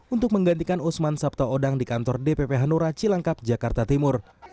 untuk menggantikan usman sabtaodang di kantor dpp hanura cilangkap jakarta timur